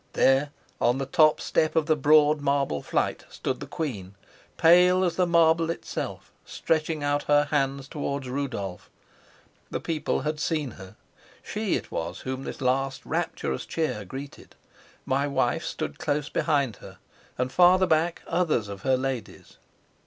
There, on the top step of the broad marble flight, stood the queen, pale as the marble itself, stretching out her hands towards Rudolf. The people had seen her: she it was whom this last rapturous cheer greeted. My wife stood close behind her, and farther back others of her ladies.